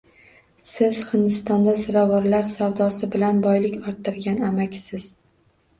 Siz Hindistonda ziravorlar savdosi bilan boylik orttirgan amakisiz